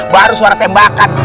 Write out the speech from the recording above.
baru suara tembakan